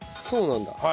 そうなんだ。